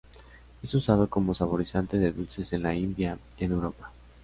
Es usado como saborizante de dulces en la India y en Europa.